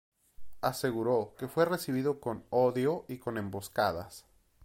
Aseguró que fue recibido con odio y con emboscadas.